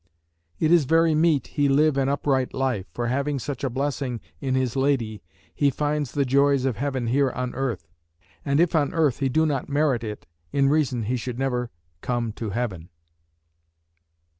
"It is very meet He live an upright life, For having such a blessing in his lady, He finds the joys of heaven here on earth; And if on earth he do not merit it, In reason he should never come to heaven."